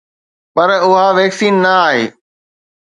پر اها ويڪسين نه آهي